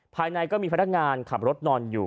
ภายในก็มีพนักงานขับรถนอนอยู่